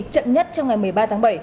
chậm nhất trong ngày một mươi ba tháng bảy